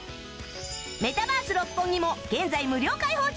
メタバース六本木も現在無料開放中